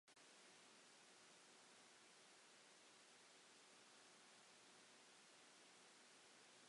Prin y gwrandawai arnom ni, yr hogiau eraill, yn siarad.